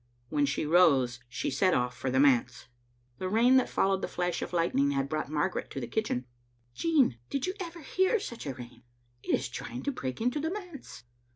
When she rose she set oflE for the manse. The rain that followed the flash of lightning had brought Margaret to the kitchen. "Jean, did you ever hear such a rain? It is trying to break into the manse.